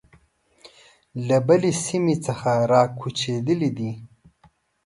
له بلې سیمې څخه را کوچېدلي دي.